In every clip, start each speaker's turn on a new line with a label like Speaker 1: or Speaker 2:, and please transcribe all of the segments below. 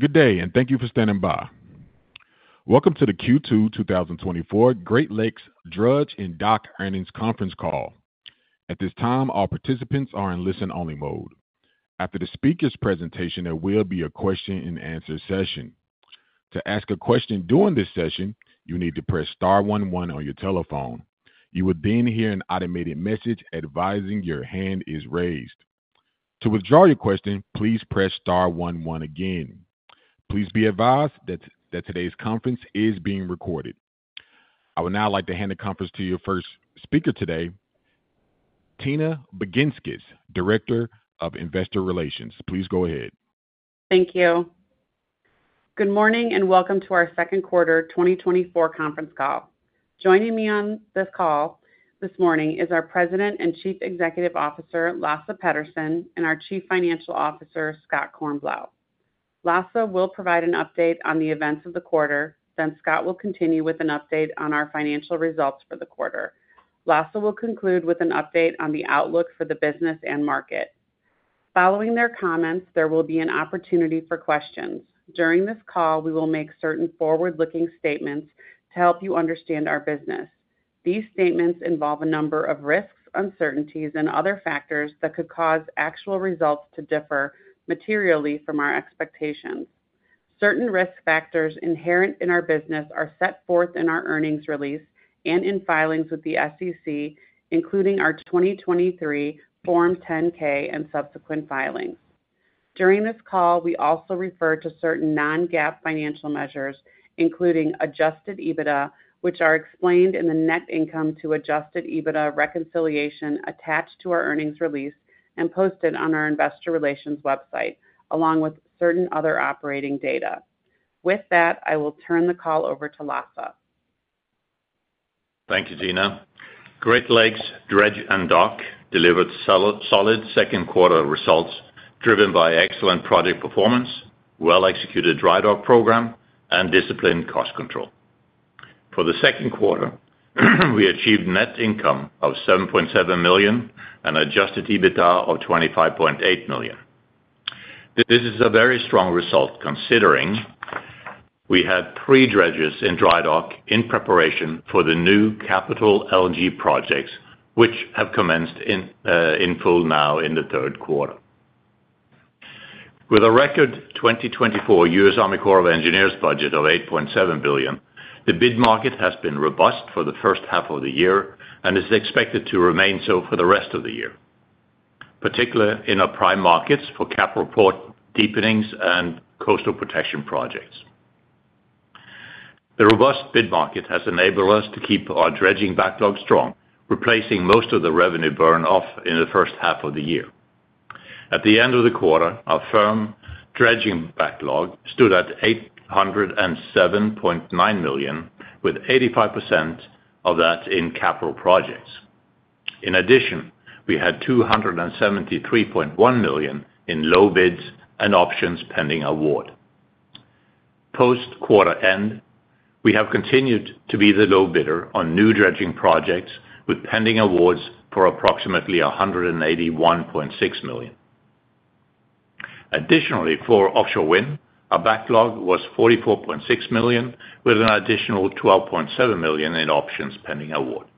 Speaker 1: Good day, and thank you for standing by. Welcome to the Q2 2024 Great Lakes Dredge & Dock Earnings Conference Call. At this time, all participants are in listen-only mode. After the speaker's presentation, there will be a question-and-answer session. To ask a question during this session, you need to press star one one on your telephone. You will then hear an automated message advising your hand is raised. To withdraw your question, please press star one one again. Please be advised that today's conference is being recorded. I would now like to hand the conference to your first speaker today, Tina Baginskis, Director of Investor Relations. Please go ahead.
Speaker 2: Thank you. Good morning, and welcome to our second quarter 2024 conference call. Joining me on this call this morning is our President and Chief Executive Officer, Lasse Petterson, and our Chief Financial Officer, Scott Kornblau. Lasse will provide an update on the events of the quarter, then Scott will continue with an update on our financial results for the quarter. Lasse will conclude with an update on the outlook for the business and market. Following their comments, there will be an opportunity for questions. During this call, we will make certain forward-looking statements to help you understand our business. These statements involve a number of risks, uncertainties, and other factors that could cause actual results to differ materially from our expectations. Certain risk factors inherent in our business are set forth in our earnings release and in filings with the SEC, including our 2023 Form 10-K and subsequent filings. During this call, we also refer to certain non-GAAP financial measures, including Adjusted EBITDA, which are explained in the net income to Adjusted EBITDA reconciliation attached to our earnings release and posted on our investor relations website, along with certain other operating data. With that, I will turn the call over to Lasse.
Speaker 3: Thank you, Tina. Great Lakes Dredge & Dock delivered solid, solid second quarter results, driven by excellent project performance, well-executed dry dock program, and disciplined cost control. For the second quarter, we achieved net income of $7.7 million and adjusted EBITDA of $25.8 million. This is a very strong result, considering we had three dredges in dry dock in preparation for the new capital LNG projects, which have commenced in, in full now in the third quarter. With a record 2024 U.S. Army Corps of Engineers budget of $8.7 billion, the bid market has been robust for the first half of the year and is expected to remain so for the rest of the year, particularly in our prime markets for capital port deepenings and coastal protection projects. The robust bid market has enabled us to keep our dredging backlog strong, replacing most of the revenue burn off in the first half of the year. At the end of the quarter, our firm dredging backlog stood at $807.9 million, with 85% of that in capital projects. In addition, we had $273.1 million in low bids and options pending award. Post-quarter end, we have continued to be the low bidder on new dredging projects, with pending awards for approximately $181.6 million. Additionally, for offshore wind, our backlog was $44.6 million, with an additional $12.7 million in options pending award.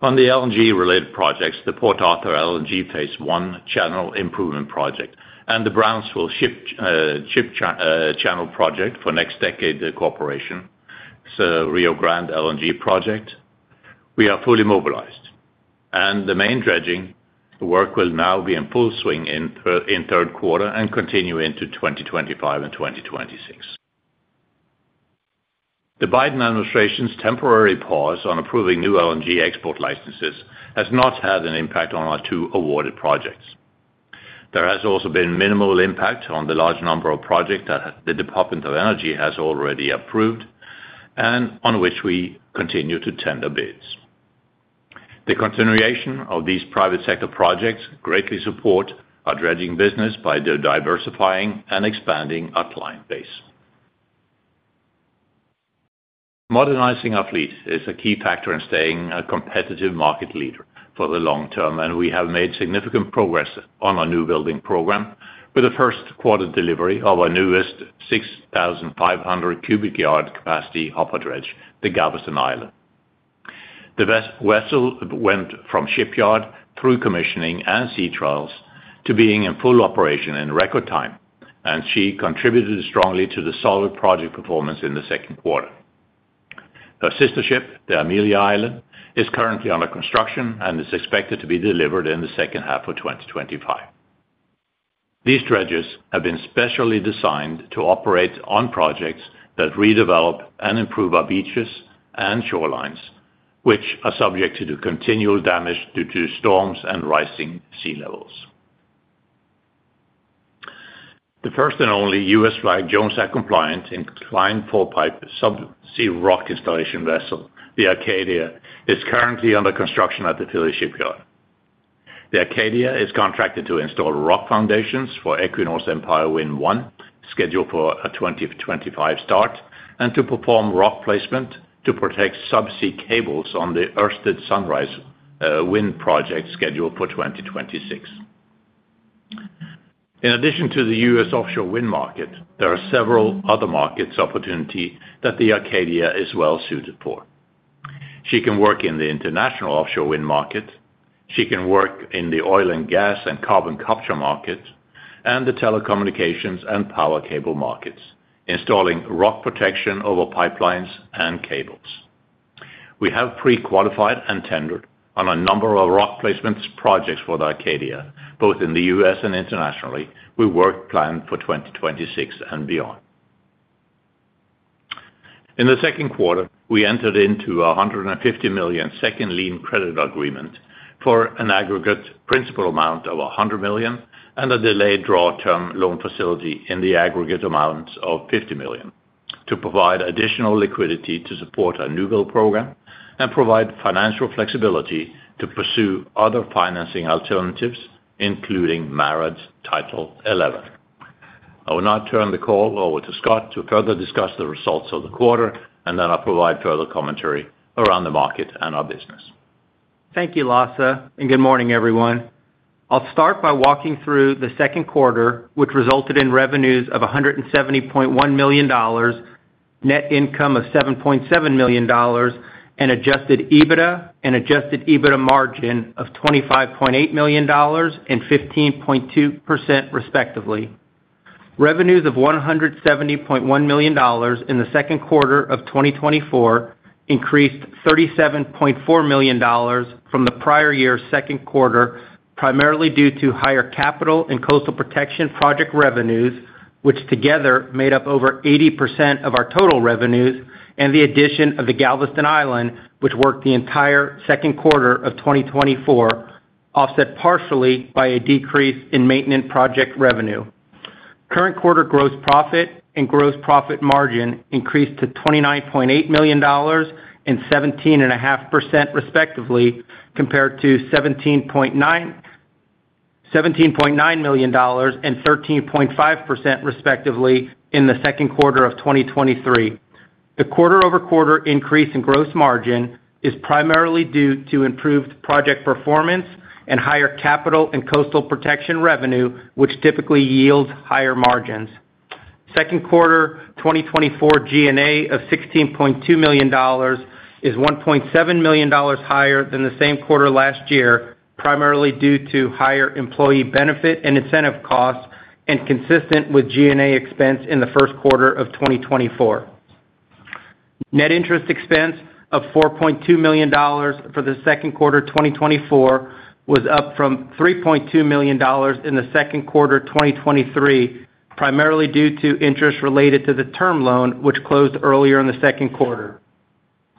Speaker 3: On the LNG-related projects, the Port Arthur LNG Phase 1 Channel Improvement Project and the Brownsville Ship Channel Project for NextDecade Corporation, so Rio Grande LNG project, we are fully mobilized, and the main dredging work will now be in full swing in third quarter and continue into 2025 and 2026. The Biden administration's temporary pause on approving new LNG export licenses has not had an impact on our two awarded projects. There has also been minimal impact on the large number of projects that the Department of Energy has already approved and on which we continue to tender bids. The continuation of these private sector projects greatly support our dredging business by diversifying and expanding our client base. Modernizing our fleet is a key factor in staying a competitive market leader for the long term, and we have made significant progress on our new building program with the first quarter delivery of our newest 6,500 cubic yard capacity hopper dredge, the Galveston Island. The vessel went from shipyard through commissioning and sea trials to being in full operation in record time, and she contributed strongly to the solid project performance in the second quarter. Her sister ship, the Amelia Island, is currently under construction and is expected to be delivered in the second half of 2025. These dredges have been specially designed to operate on projects that redevelop and improve our beaches and shorelines, which are subject to the continual damage due to storms and rising sea levels. The first and only U.S. flag Jones Act compliant inclined fall pipe subsea rock installation vessel, the Acadia, is currently under construction at the Philly Shipyard. The Acadia is contracted to install rock foundations for Equinor's Empire Wind 1, scheduled for a 2025 start, and to perform rock placement to protect subsea cables on the Ørsted Sunrise Wind project scheduled for 2026. In addition to the U.S. offshore wind market, there are several other markets opportunity that the Acadia is well suited for. She can work in the international offshore wind market, she can work in the oil and gas and carbon capture market, and the telecommunications and power cable markets, installing rock protection over pipelines and cables. We have pre-qualified and tendered on a number of rock placements projects for the Acadia, both in the U.S. and internationally. With work planned for 2026 and beyond. In the second quarter, we entered into a $150 million second lien credit agreement for an aggregate principal amount of $100 million, and a delayed draw term loan facility in the aggregate amount of $50 million, to provide additional liquidity to support our new build program and provide financial flexibility to pursue other financing alternatives, including MARAD's Title XI. I will now turn the call over to Scott to further discuss the results of the quarter, and then I'll provide further commentary around the market and our business.
Speaker 4: Thank you, Lasse, and good morning, everyone. I'll start by walking through the second quarter, which resulted in revenues of $170.1 million, net income of $7.7 million, and adjusted EBITDA and adjusted EBITDA margin of $25.8 million and 15.2%, respectively. Revenues of $170.1 million in the second quarter of 2024 increased $37.4 million from the prior year's second quarter, primarily due to higher capital and coastal protection project revenues, which together made up over 80% of our total revenues, and the addition of the Galveston Island, which worked the entire second quarter of 2024, offset partially by a decrease in maintenance project revenue. Current quarter gross profit and gross profit margin increased to $29.8 million and 17.5%, respectively, compared to $17.9 million and 13.5%, respectively, in the second quarter of 2023. The quarter-over-quarter increase in gross margin is primarily due to improved project performance and higher capital and coastal protection revenue, which typically yields higher margins. Second quarter 2024 G&A of $16.2 million is $1.7 million higher than the same quarter last year, primarily due to higher employee benefit and incentive costs, and consistent with G&A expense in the first quarter of 2024. Net interest expense of $4.2 million for the second quarter 2024 was up from $3.2 million in the second quarter 2023, primarily due to interest related to the term loan, which closed earlier in the second quarter.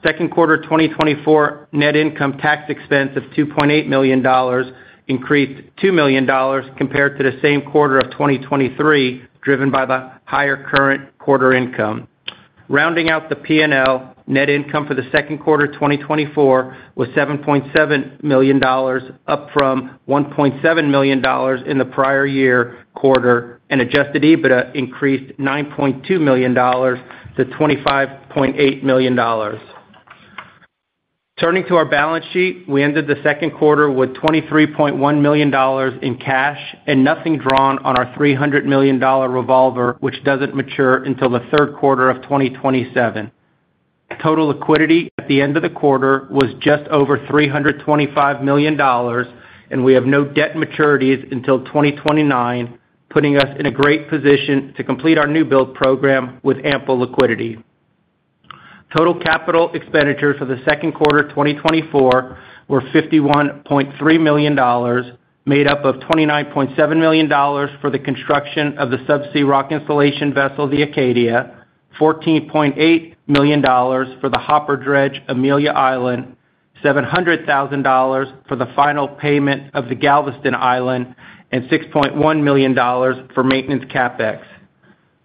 Speaker 4: Second quarter 2024 net income tax expense of $2.8 million increased $2 million compared to the same quarter of 2023, driven by the higher current quarter income. Rounding out the P&L, net income for the second quarter 2024 was $7.7 million, up from $1.7 million in the prior year quarter, and adjusted EBITDA increased $9.2 million to $25.8 million. Turning to our balance sheet, we ended the second quarter with $23.1 million in cash and nothing drawn on our $300 million revolver, which doesn't mature until the third quarter of 2027. Total liquidity at the end of the quarter was just over $325 million, and we have no debt maturities until 2029, putting us in a great position to complete our new build program with ample liquidity. Total capital expenditures for the second quarter, 2024, were $51.3 million, made up of $29.7 million for the construction of the subsea rock installation vessel, the Acadia, $14.8 million for the hopper dredge, Amelia Island, $700,000 for the final payment of the Galveston Island, and $6.1 million for maintenance CapEx.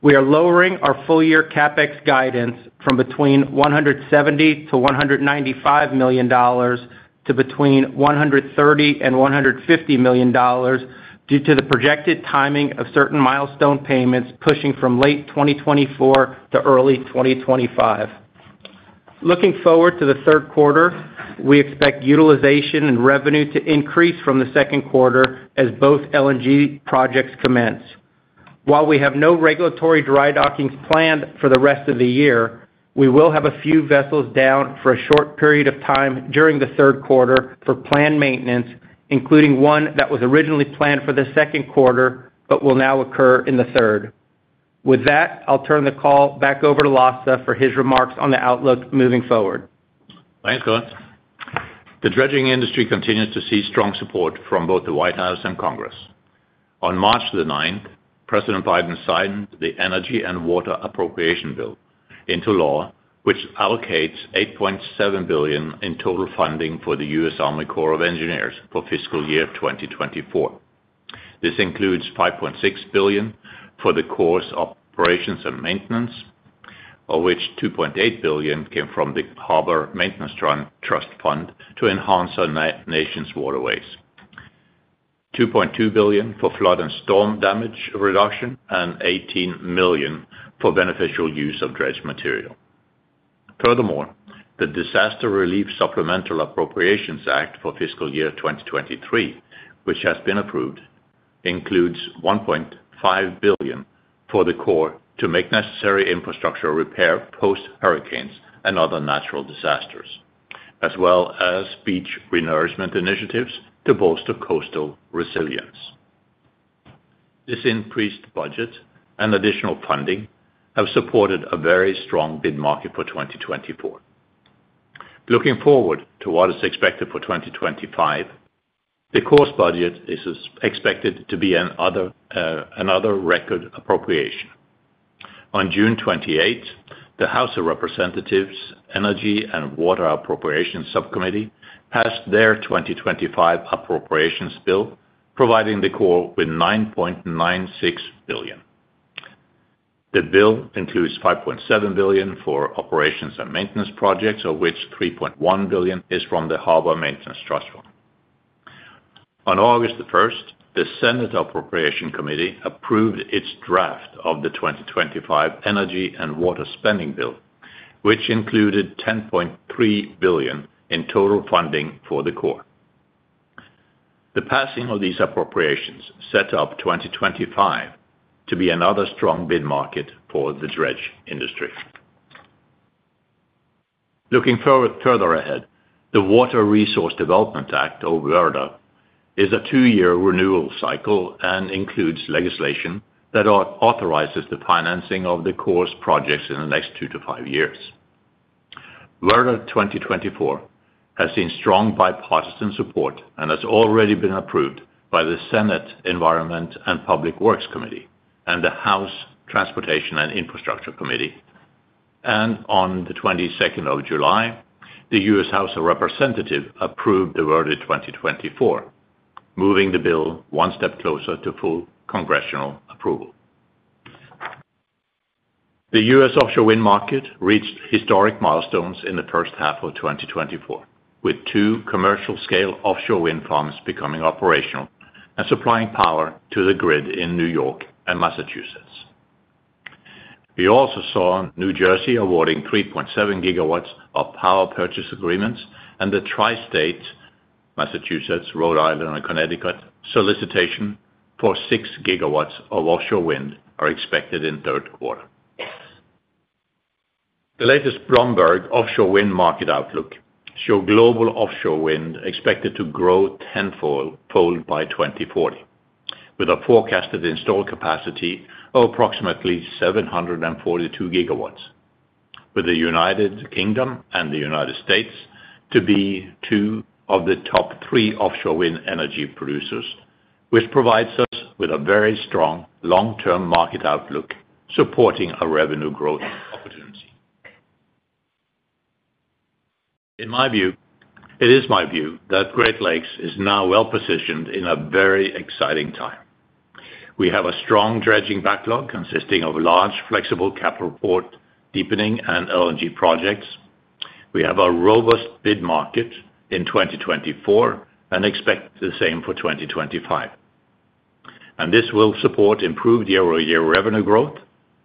Speaker 4: We are lowering our full year CapEx guidance from between $170 million and $195 million to between $130 million and $150 million due to the projected timing of certain milestone payments pushing from late 2024 to early 2025. Looking forward to the third quarter, we expect utilization and revenue to increase from the second quarter as both LNG projects commence. While we have no regulatory dry dockings planned for the rest of the year, we will have a few vessels down for a short period of time during the third quarter for planned maintenance, including one that was originally planned for the second quarter, but will now occur in the third. With that, I'll turn the call back over to Lasse for his remarks on the outlook moving forward.
Speaker 3: Thanks, Scott. The dredging industry continues to see strong support from both the White House and Congress. On March the ninth, President Biden signed the Energy and Water Appropriations Bill into law, which allocates $8.7 billion in total funding for the U.S. Army Corps of Engineers for fiscal year 2024. This includes $5.6 billion for the Corps' operations and maintenance, of which $2.8 billion came from the Harbor Maintenance Trust Fund to enhance our nation's waterways, $2.2 billion for flood and storm damage reduction, and $18 million for beneficial use of dredged material. Furthermore, the Disaster Relief Supplemental Appropriations Act for fiscal year 2023, which has been approved, includes $1.5 billion for the Corps to make necessary infrastructure repair post hurricanes and other natural disasters, as well as beach renourishment initiatives to bolster coastal resilience. This increased budget and additional funding have supported a very strong bid market for 2024. Looking forward to what is expected for 2025, the Corps' budget is expected to be another record appropriation. On June 28, the House of Representatives Energy and Water Appropriations Subcommittee passed their 2025 appropriations bill, providing the Corps with $9.96 billion. The bill includes $5.7 billion for operations and maintenance projects, of which $3.1 billion is from the Harbor Maintenance Trust Fund. On August 1, the Senate Appropriations Committee approved its draft of the 2025 energy and water spending bill, which included $10.3 billion in total funding for the Corps. The passing of these appropriations set up 2025 to be another strong bid market for the dredge industry. Looking forward, further ahead, the Water Resources Development Act, or WRDA, is a 2-year renewal cycle and includes legislation that authorizes the financing of the Corps' projects in the next 2 to 5 years. WRDA 2024 has seen strong bipartisan support and has already been approved by the Senate Environment and Public Works Committee and the House Transportation and Infrastructure Committee. On the 22nd of July, the U.S. House of Representatives approved the WRDA 2024, moving the bill one step closer to full congressional approval. The U.S. offshore wind market reached historic milestones in the first half of 2024, with 2 commercial-scale offshore wind farms becoming operational and supplying power to the grid in New York and Massachusetts. We also saw New Jersey awarding 3.7 gigawatts of power purchase agreements and the tri-state, Massachusetts, Rhode Island, and Connecticut, solicitation for 6 gigawatts of offshore wind are expected in third quarter. The latest Bloomberg offshore wind market outlook show global offshore wind expected to grow tenfold by 2040, with a forecasted installed capacity of approximately 742 gigawatts, with the United Kingdom and the United States to be two of the top three offshore wind energy producers, which provides us with a very strong long-term market outlook, supporting a revenue growth opportunity. In my view- It is my view that Great Lakes is now well positioned in a very exciting time. We have a strong dredging backlog consisting of large, flexible capital port deepening and LNG projects. We have a robust bid market in 2024 and expect the same for 2025. And this will support improved year-over-year revenue growth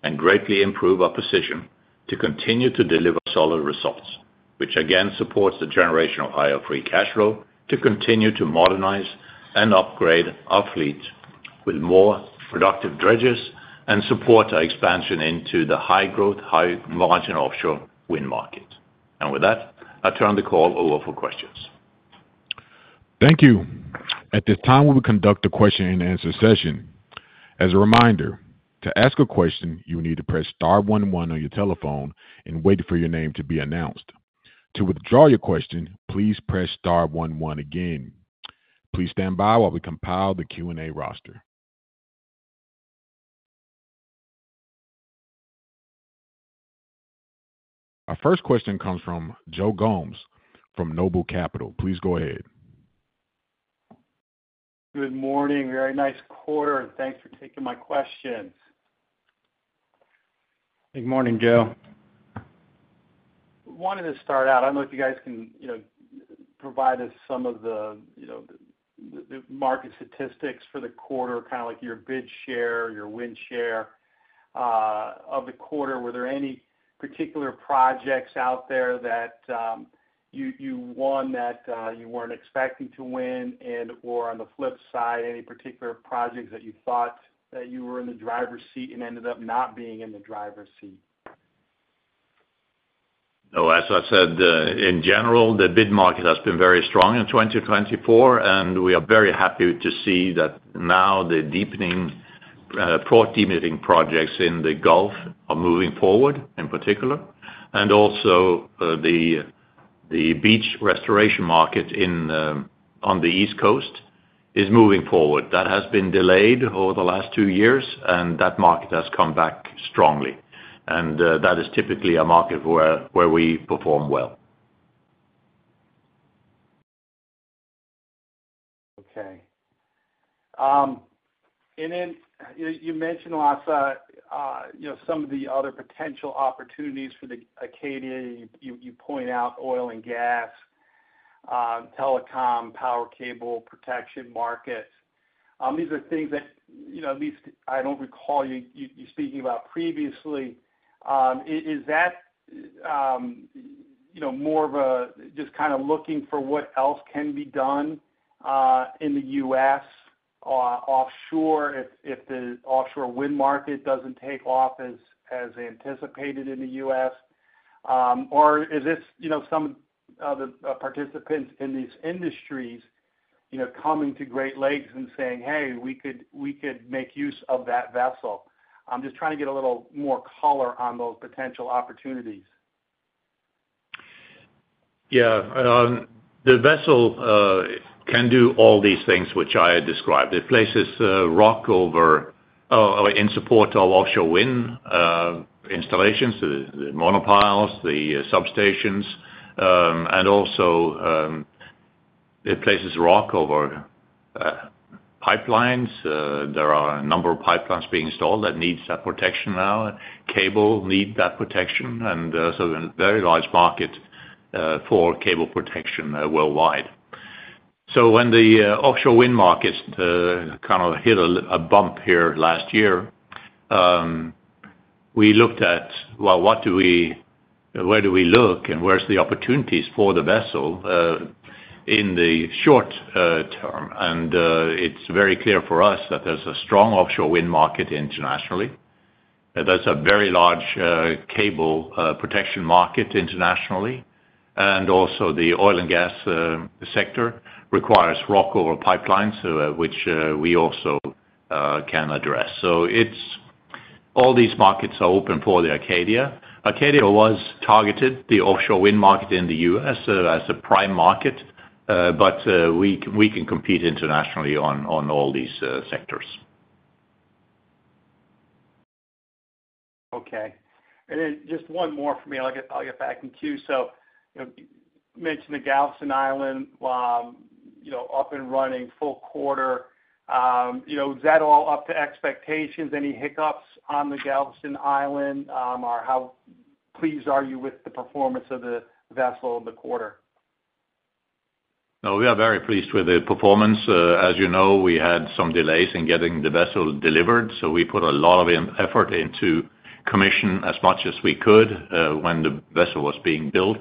Speaker 3: and greatly improve our position to continue to deliver solid results, which again, supports the generation of higher free cash flow to continue to modernize and upgrade our fleet with more productive dredges and support our expansion into the high growth, high margin offshore wind market. And with that, I turn the call over for questions.
Speaker 1: Thank you. At this time, we will conduct a question-and-answer session. As a reminder, to ask a question, you need to press star one one on your telephone and wait for your name to be announced. To withdraw your question, please press star one one again. Please stand by while we compile the Q&A roster. Our first question comes from Joe Gomes from Noble Capital. Please go ahead.
Speaker 5: Good morning. Very nice quarter, and thanks for taking my questions.
Speaker 4: Good morning, Joe.
Speaker 5: Wanted to start out, I don't know if you guys can, you know, provide us some of the, you know, the market statistics for the quarter, kind of like your bid share, your win share of the quarter. Were there any particular projects out there that you won that you weren't expecting to win? And/or on the flip side, any particular projects that you thought that you were in the driver's seat and ended up not being in the driver's seat?
Speaker 3: No, as I said, in general, the bid market has been very strong in 2024, and we are very happy to see that now the deepening, port deepening projects in the Gulf are moving forward in particular, and also, the beach restoration market on the East Coast is moving forward. That has been delayed over the last two years, and that market has come back strongly. That is typically a market where we perform well.
Speaker 5: Okay. Then, you mentioned Lasse, you know, some of the other potential opportunities for the Acadia. You point out oil and gas, telecom, power cable, protection markets. These are things that, you know, at least I don't recall you speaking about previously. Is that, you know, more of a just kind of looking for what else can be done in the US or offshore, if the offshore wind market doesn't take off as anticipated in the US? Or is this, you know, some of the participants in these industries, you know, coming to Great Lakes and saying, "Hey, we could make use of that vessel"? I'm just trying to get a little more color on those potential opportunities.
Speaker 3: Yeah. The vessel can do all these things which I had described. It places rock over in support of offshore wind installations, the monopiles, the substations, and also it places rock over pipelines. There are a number of pipelines being installed that needs that protection now, cable need that protection, and so a very large market for cable protection worldwide. So when the offshore wind markets kind of hit a bump here last year, we looked at, well, what do we—where do we look and where's the opportunities for the vessel in the short term? It's very clear for us that there's a strong offshore wind market internationally, and there's a very large cable protection market internationally, and also the oil and gas sector requires rock over pipelines, which we also can address. So it's all these markets are open for the Acadia. Acadia was targeted, the offshore wind market in the U.S., as a prime market, but we can compete internationally on all these sectors.
Speaker 5: Okay. And then just one more for me, I'll get back in queue. So, you know, you mentioned the Galveston Island, you know, up and running full quarter. You know, is that all up to expectations? Any hiccups on the Galveston Island? Or how pleased are you with the performance of the vessel in the quarter?
Speaker 3: No, we are very pleased with the performance. As you know, we had some delays in getting the vessel delivered, so we put a lot of effort into commissioning as much as we could when the vessel was being built.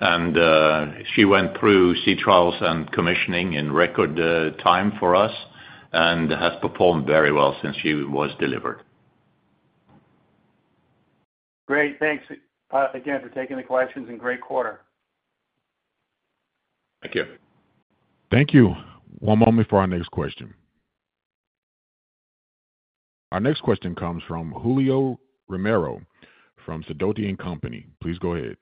Speaker 3: And she went through sea trials and commissioning in record time for us and has performed very well since she was delivered.
Speaker 5: Great. Thanks, again, for taking the questions and great quarter.
Speaker 3: Thank you.
Speaker 1: Thank you. One moment for our next question. Our next question comes from Julio Romero, from Sidoti & Company. Please go ahead.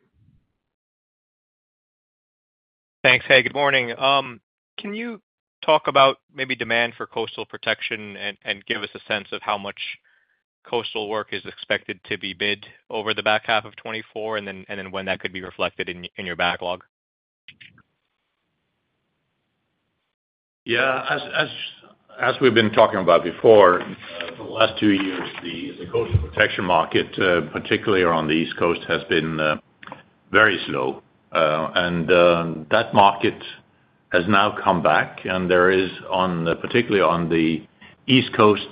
Speaker 6: Thanks. Hey, good morning. Can you talk about maybe demand for coastal protection and, and give us a sense of how much coastal work is expected to be bid over the back half of 2024, and then, and then when that could be reflected in, in your backlog?
Speaker 3: Yeah. As we've been talking about before, for the last two years, the coastal protection market, particularly on the East Coast, has been very slow. And that market has now come back, and there is, particularly on the East Coast,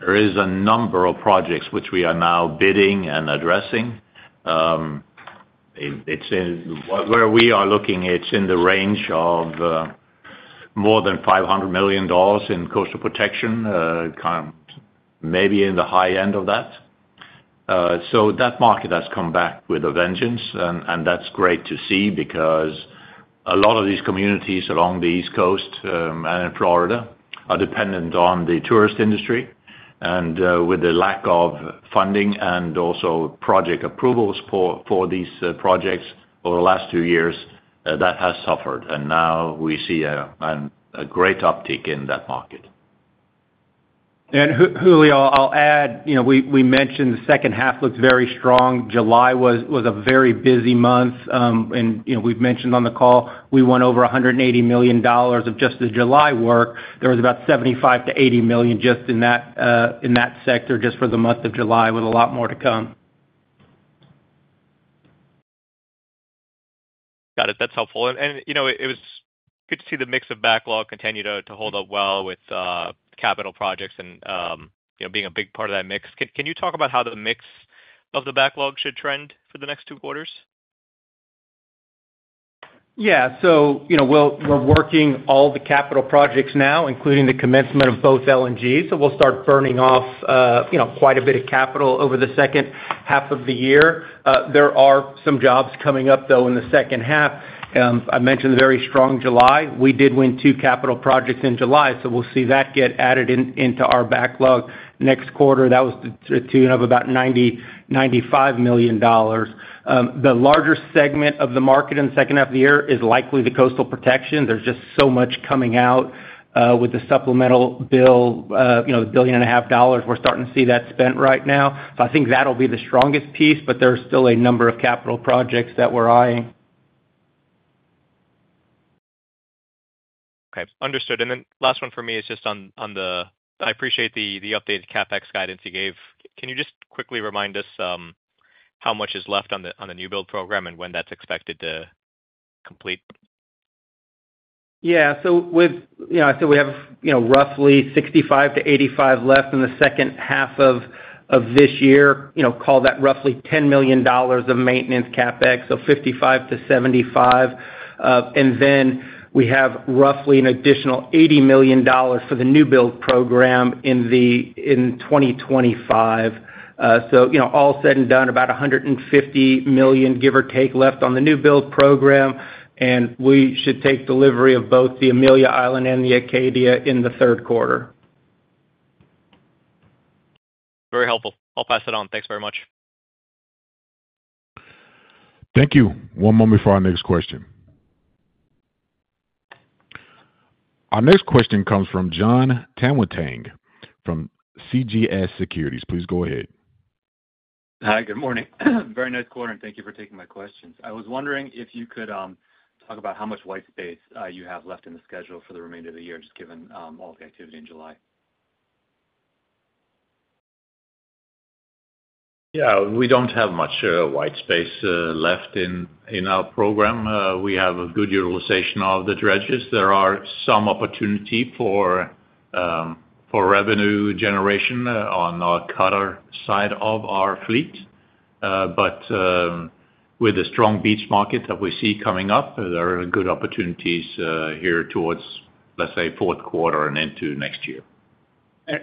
Speaker 3: there is a number of projects which we are now bidding and addressing. It's, where we are looking, it's in the range of more than $500 million in coastal protection, kind of maybe in the high end of that. So that market has come back with a vengeance, and that's great to see, because a lot of these communities along the East Coast and in Florida are dependent on the tourist industry. And with the lack of funding and also project approvals for these projects over the last two years, that has suffered, and now we see a great uptick in that market.
Speaker 4: Julio, I'll add, you know, we mentioned the second half looks very strong. July was a very busy month, and, you know, we've mentioned on the call, we won over $180 million of just the July work. There was about $75 million-$80 million just in that sector, just for the month of July, with a lot more to come.
Speaker 6: Got it. That's helpful. And, you know, it was good to see the mix of backlog continue to hold up well with capital projects and, you know, being a big part of that mix. Can you talk about how the mix of the backlog should trend for the next two quarters?
Speaker 4: Yeah. So, you know, we're working all the capital projects now, including the commencement of both LNGs. So we'll start burning off, you know, quite a bit of capital over the second half of the year. There are some jobs coming up, though, in the second half. I mentioned the very strong July. We did win two capital projects in July, so we'll see that get added into our backlog next quarter. That was to about $90-$95 million. The larger segment of the market in the second half of the year is likely the coastal protection. There's just so much coming out with the supplemental bill, you know, $1.5 billion. We're starting to see that spent right now. I think that'll be the strongest piece, but there's still a number of capital projects that we're eyeing....
Speaker 6: Okay, understood. And then last one for me is just on the, I appreciate the updated CapEx guidance you gave. Can you just quickly remind us, how much is left on the new build program and when that's expected to complete?
Speaker 4: Yeah. So with, you know, I think we have, you know, roughly $65-$85 million left in the second half of this year. You know, call that roughly $10 million of maintenance CapEx, so $55-$75 million. And then we have roughly an additional $80 million for the new build program in 2025. So, you know, all said and done, about $150 million, give or take, left on the new build program, and we should take delivery of both the Amelia Island and the Acadia in the third quarter.
Speaker 6: Very helpful. I'll pass it on. Thanks very much.
Speaker 1: Thank you. One moment before our next question. Our next question comes from Jon Tanwanteng from CJS Securities. Please go ahead.
Speaker 7: Hi, good morning. Very nice quarter, and thank you for taking my questions. I was wondering if you could talk about how much white space you have left in the schedule for the remainder of the year, just given all the activity in July?
Speaker 3: Yeah, we don't have much white space left in our program. We have a good utilization of the dredges. There are some opportunity for revenue generation on our cutter side of our fleet. But with the strong beach market that we see coming up, there are good opportunities here towards, let's say, fourth quarter and into next year.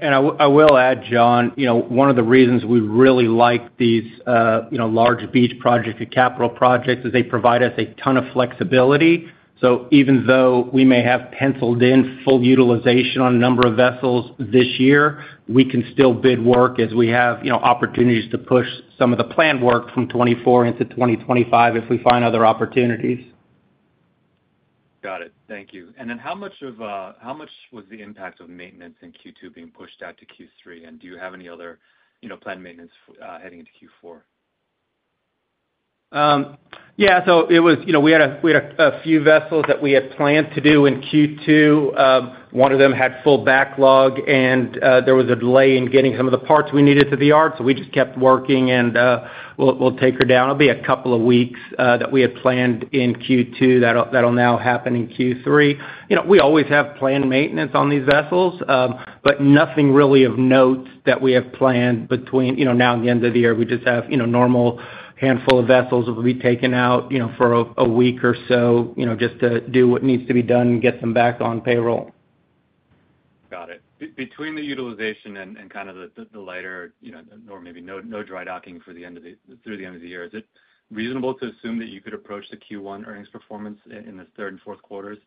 Speaker 4: I will add, John, you know, one of the reasons we really like these, you know, large beach projects or capital projects, is they provide us a ton of flexibility. So even though we may have penciled in full utilization on a number of vessels this year, we can still bid work as we have, you know, opportunities to push some of the planned work from 2024 into 2025 if we find other opportunities.
Speaker 7: Got it. Thank you. And then how much of, how much was the impact of maintenance in Q2 being pushed out to Q3? And do you have any other, you know, planned maintenance, heading into Q4?
Speaker 4: Yeah, so it was... You know, we had a few vessels that we had planned to do in Q2. One of them had full backlog, and there was a delay in getting some of the parts we needed to the yard, so we just kept working, and we'll take her down. It'll be a couple of weeks that we had planned in Q2, that'll now happen in Q3. You know, we always have planned maintenance on these vessels, but nothing really of note that we have planned between, you know, now and the end of the year. We just have, you know, normal handful of vessels that will be taken out, you know, for a week or so, you know, just to do what needs to be done and get them back on payroll.
Speaker 7: Got it. Between the utilization and kind of the lighter, you know, or maybe no dry docking through the end of the year, is it reasonable to assume that you could approach the Q1 earnings performance in the third and fourth quarters,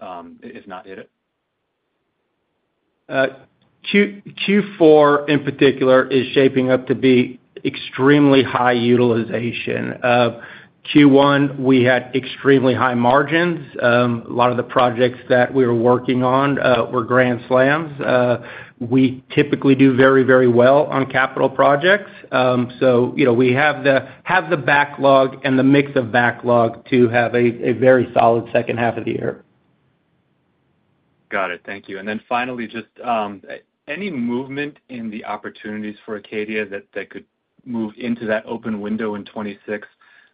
Speaker 7: if not hit it?
Speaker 4: Q4, in particular, is shaping up to be extremely high utilization. Q1, we had extremely high margins. A lot of the projects that we were working on were grand slams. We typically do very, very well on capital projects. So, you know, we have the backlog and the mix of backlog to have a very solid second half of the year.
Speaker 7: Got it. Thank you. And then finally, just any movement in the opportunities for Acadia that could move into that open window in 2026?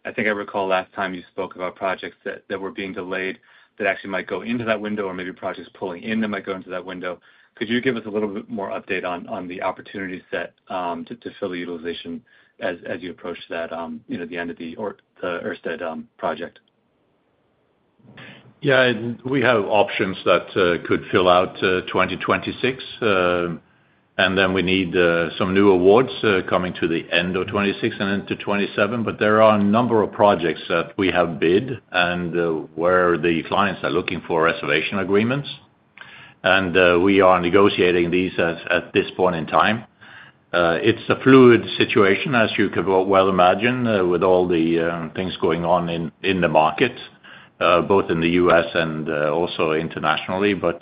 Speaker 7: I think I recall last time you spoke about projects that were being delayed that actually might go into that window or maybe projects pulling in that might go into that window. Could you give us a little bit more update on the opportunities to fill the utilization as you approach that you know the end of the Ørsted project?
Speaker 3: Yeah. We have options that could fill out 2026. And then we need some new awards coming to the end of 2026 and into 2027. But there are a number of projects that we have bid and where the clients are looking for reservation agreements. And we are negotiating these at this point in time. It's a fluid situation, as you can well imagine, with all the things going on in the market, both in the U.S. and also internationally. But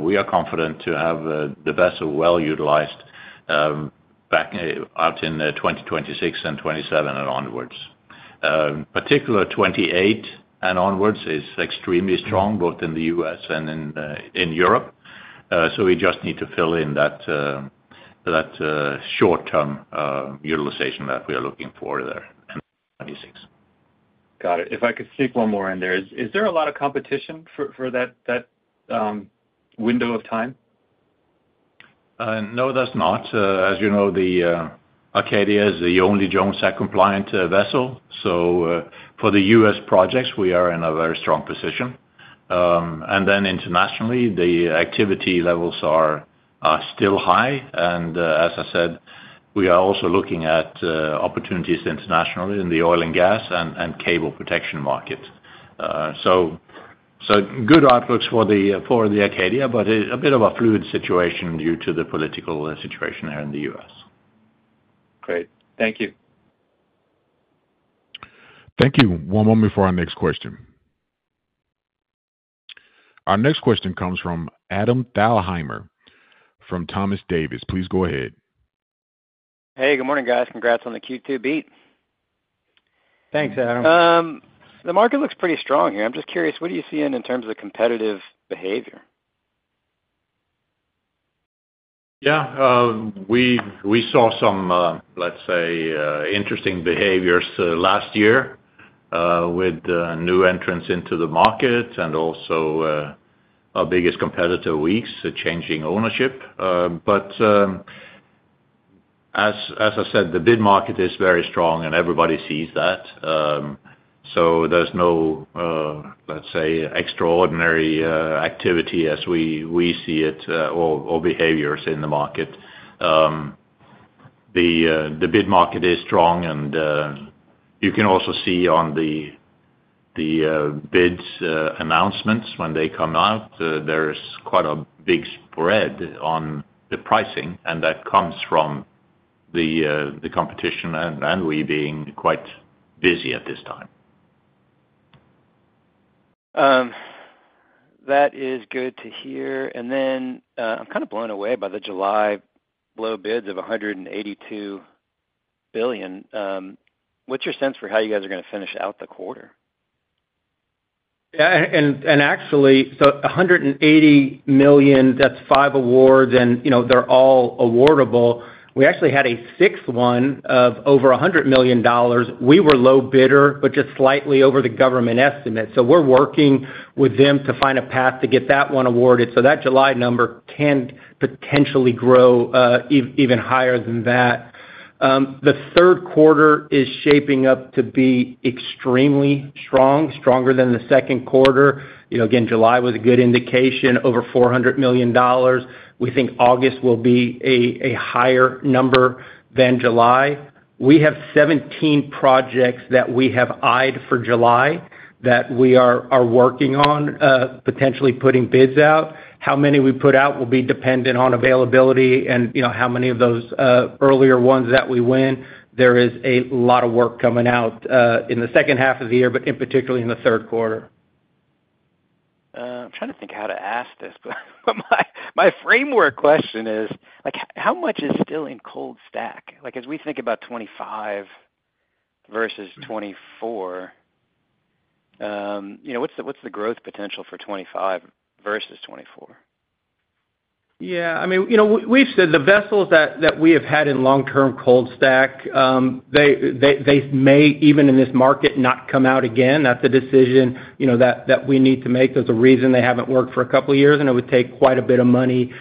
Speaker 3: we are confident to have the vessel well utilized back out in 2026 and 2027 and onwards. Particular 2028 and onwards is extremely strong, both in the U.S. and in Europe. We just need to fill in that short-term utilization that we are looking for there in 2026.
Speaker 7: Got it. If I could sneak one more in there. Is there a lot of competition for that window of time?
Speaker 3: No, there's not. As you know, the Acadia is the only Jones Act compliant vessel. So, for the U.S. projects, we are in a very strong position. And then internationally, the activity levels are still high. And as I said, we are also looking at opportunities internationally in the oil and gas and cable protection market. So good outlooks for the Acadia, but a bit of a fluid situation due to the political situation here in the U.S.
Speaker 7: Great. Thank you.
Speaker 1: Thank you. One moment before our next question. Our next question comes from Adam Thalhimer, from Thompson Davis. Please go ahead.
Speaker 8: Hey, good morning, guys. Congrats on the Q2 beat.
Speaker 4: Thanks, Adam.
Speaker 8: The market looks pretty strong here. I'm just curious, what are you seeing in terms of the competitive behavior?
Speaker 3: Yeah, we saw some, let's say, interesting behaviors last year with the new entrants into the market and also our biggest competitor, Weeks, changing ownership. But as I said, the bid market is very strong, and everybody sees that. So there's no, let's say, extraordinary activity as we see it or behaviors in the market. The bid market is strong, and you can also see on the bids announcements when they come out, there's quite a big spread on the pricing, and that comes from the competition and we being quite busy at this time.
Speaker 8: That is good to hear. And then, I'm kind of blown away by the July low bids of $182 million. What's your sense for how you guys are gonna finish out the quarter?
Speaker 4: Yeah, actually, so $100 million, that's 5 awards, and, you know, they're all awardable. We actually had a sixth one of over $100 million. We were low bidder, but just slightly over the government estimate. So we're working with them to find a path to get that one awarded, so that July number can potentially grow, even higher than that. The third quarter is shaping up to be extremely strong, stronger than the second quarter. You know, again, July was a good indication, over $400 million. We think August will be a higher number than July. We have 17 projects that we have eyed for July that we are working on, potentially putting bids out. How many we put out will be dependent on availability and, you know, how many of those, earlier ones that we win. There is a lot of work coming out, in the second half of the year, but in particularly in the third quarter.
Speaker 8: I'm trying to think how to ask this, but my, my framework question is, like, how much is still in cold stack? Like, as we think about 25 versus 24, you know, what's the, what's the growth potential for 25 versus 24?
Speaker 4: Yeah, I mean, you know, we've said the vessels that we have had in long-term cold stack, they may, even in this market, not come out again. That's a decision, you know, that we need to make. There's a reason they haven't worked for a couple of years, and it would take quite a bit of money,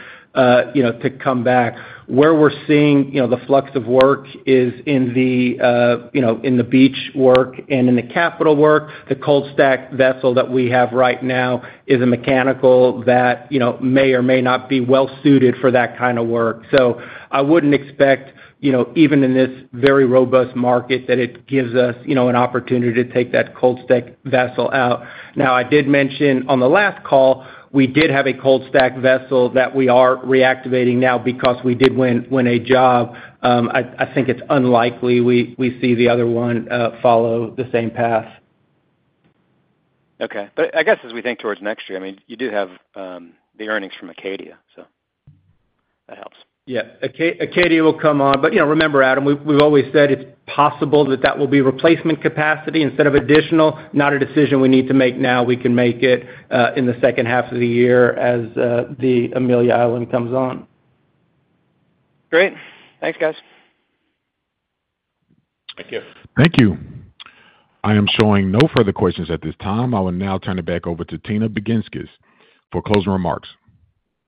Speaker 4: you know, to come back. Where we're seeing, you know, the flux of work is in the beach work and in the capital work. The cold stack vessel that we have right now is a mechanical that, you know, may or may not be well suited for that kind of work. So I wouldn't expect, you know, even in this very robust market, that it gives us, you know, an opportunity to take that cold stack vessel out. Now, I did mention on the last call, we did have a cold stack vessel that we are reactivating now because we did win a job. I think it's unlikely we see the other one follow the same path.
Speaker 8: Okay. But I guess as we think toward next year, I mean, you do have the earnings from Acadia, so that helps.
Speaker 4: Yeah, Acadia will come on. But, you know, remember, Adam, we've always said it's possible that that will be replacement capacity instead of additional. Not a decision we need to make now. We can make it in the second half of the year as the Amelia Island comes on.
Speaker 8: Great. Thanks, guys.
Speaker 3: Thank you.
Speaker 1: Thank you. I am showing no further questions at this time. I will now turn it back over to Tina Baginskis for closing remarks.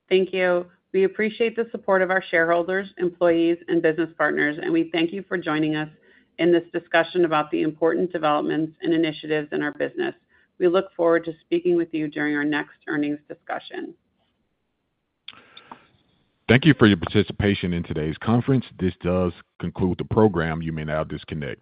Speaker 2: Thank you. We appreciate the support of our shareholders, employees, and business partners, and we thank you for joining us in this discussion about the important developments and initiatives in our business. We look forward to speaking with you during our next earnings discussion.
Speaker 1: Thank you for your participation in today's conference. This does conclude the program. You may now disconnect.